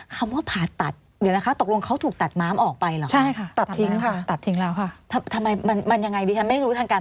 คำว่าผ่าตัดเดี๋ยวนะคะตกลงเขาถูกตัดม้ามออกไปเหรอ